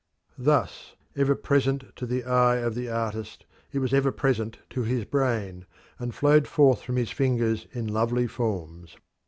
Thus ever present to the eye of the artist, it was ever present to his brain, and flowed forth from his fingers in lovely forms.